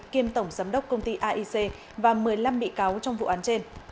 kiêm tổng giám đốc công ty aic và một mươi năm bị cáo trong vụ án trên